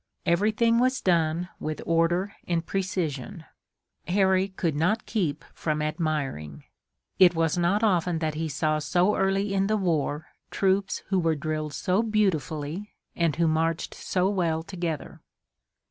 Everything was done with order and precision. Harry could not keep from admiring. It was not often that he saw so early in the war troops who were drilled so beautifully, and who marched so well together.